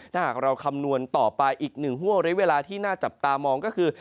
ถ้าหากเราคำนวณต่อไปอีกหนึ่งห่วงเรียกเวลาที่น่าจับตามองก็คือ